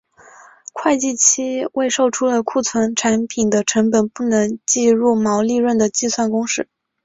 会计期内未售出的库存产品的成本不能计入毛利润的计算公式。